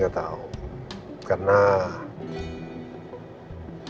nih nanti aku mau minum